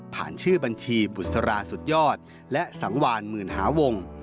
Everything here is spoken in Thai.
ชื่อบัญชีบุษราสุดยอดและสังวานหมื่นหาวง